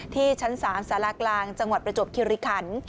ที่ชั้น๓สารากลางจังหวัดประจวบคิริคัน